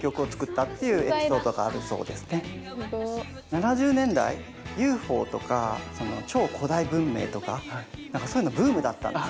７０年代ＵＦＯとか超古代文明とかなんかそういうのブームだったんです。